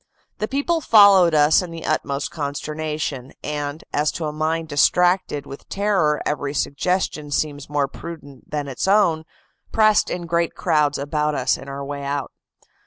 The people followed us in the utmost consternation, and, as to a mind distracted with terror every suggestion seems more prudent than its own, pressed in great crowds about us in our way out.